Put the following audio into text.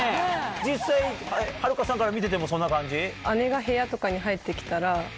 実際秦留可さんから見ててもそんな感じ？